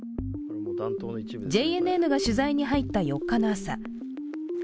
ＪＮＮが取材に入った４日の朝。